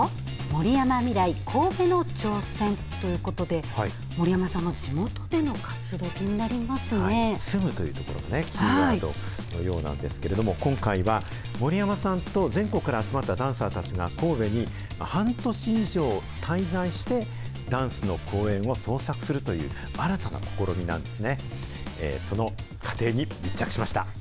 森山未來、神戸の挑戦ということで、森山さんの地元での活動、住むというところで、キーワードのようなんですけど、今回は森山さんと全国から集まったダンサーたちが、神戸に半年以上、滞在してダンスの公演を創作するという、新たな試みなんですね。